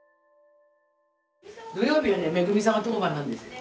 土曜日はねめぐみさんの当番なんですよ。